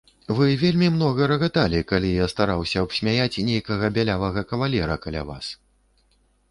Вы вельмі многа рагаталі, калі я стараўся абсмяяць нейкага бялявага кавалера каля вас.